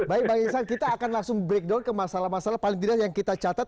baik bang iksan kita akan langsung breakdown ke masalah masalah paling tidak yang kita catat